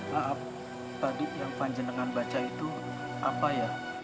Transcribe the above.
maaf tadi yang panjenengan baca itu apa ya